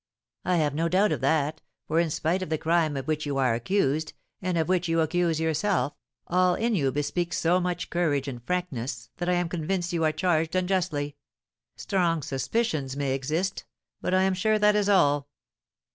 "I have no doubt of that; for, in spite of the crime of which you are accused, and of which you accuse yourself, all in you bespeaks so much courage and frankness that I am convinced you are charged unjustly; strong suspicions may exist, but I am sure that is all."